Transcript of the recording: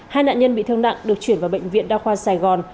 hai nạn nhân bị thương nặng được chuyển vào bệnh viện đa khoa sài gòn